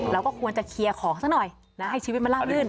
เราก็ควรจะเคลียร์ของซะหน่อยนะให้ชีวิตมันลาบลื่น